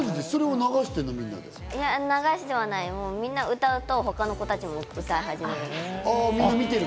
流してはなくて、みんな歌うと他の子も歌い始める。